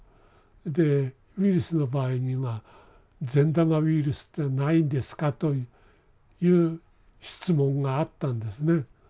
でウイルスの場合には善玉ウイルスってないんですかという質問があったんですね。